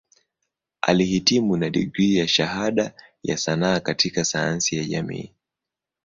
Alihitimu na digrii ya Shahada ya Sanaa katika Sayansi ya Jamii.